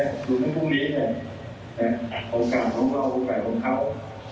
ส่วนถึงพรุ่งนี้เนี่ยโอกาสผมก็เอาไปของเขา